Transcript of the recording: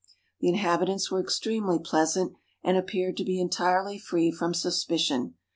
The inhabitants were extremely pleasant, and appeared to be entirely free from suspicion.